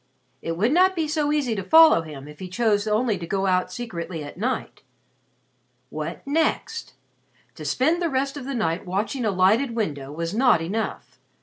It would not be so easy to follow him if he chose only to go out secretly at night. What next? To spend the rest of the night watching a lighted window was not enough.